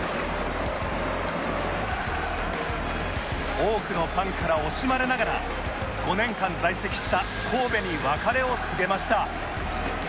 多くのファンから惜しまれながら５年間在籍した神戸に別れを告げました